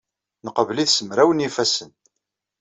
Neqbel-it s mraw n yifassen.